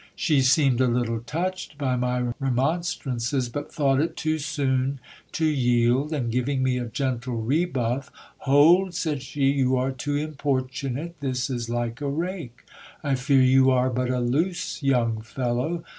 She seemed a little touched by my remon strances, but thought it too soon to yield, and giving me a gentle rebuff — Hold, said she, you are too importunate, this is like a rake. I fear you are but a loose young fellow.